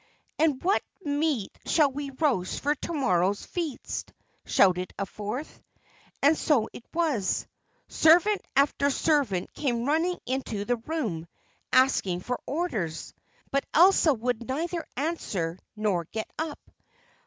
"And what meat shall we roast for to morrow's feast?" shouted a fourth. And so it was; servant after servant came running into the room asking for orders, but Elsa would neither answer nor get up.